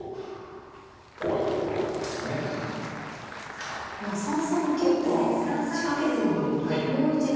あっ今３三桂と仕掛けずにもう一度。